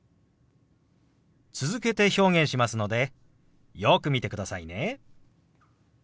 続けて表現しますのでよく見てくださいね。